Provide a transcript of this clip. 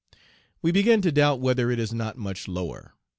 We begin to doubt whether it is not much lower.